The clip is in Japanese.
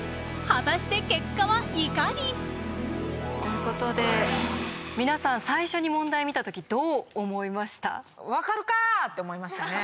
果たして結果はいかに？ということで皆さん最初に問題見た時どう思いました？って思いましたね。